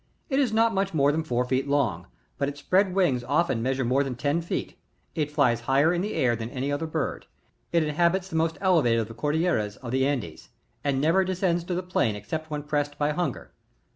It is not much more than four feet long, but its spread wings often measure more than ten feet ; it flies higher in the air than any other bird ; it inhabits the most elevated of the Cordilleras of the Andes, and never descends to the plain except when pressed by hunger.